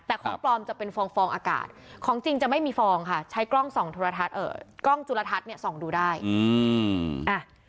แต่ของปลอมจะเป็นฟองฟองอากาศของจริงจะไม่มีฟองค่ะใช้กล้องส่องโทรทัศน์เอ่อกล้องจุลทัศน์เนี่ยส่องดูได้อืมอ่ะ